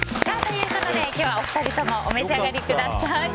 今日はお二人ともお召し上がりください。